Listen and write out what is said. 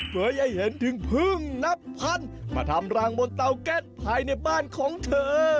เคยให้เห็นถึงพึ่งนับพันมาทำรังบนเตาแก๊สภายในบ้านของเธอ